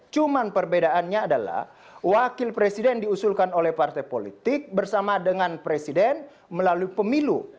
cuma perbedaannya adalah wakil presiden diusulkan oleh partai politik bersama dengan presiden melalui pemilu